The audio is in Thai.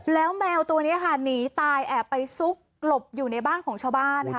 แล้วแมวตัวนี้ค่ะหนีตายแอบไปซุกหลบอยู่ในบ้านของชาวบ้านค่ะ